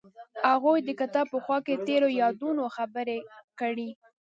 هغوی د کتاب په خوا کې تیرو یادونو خبرې کړې.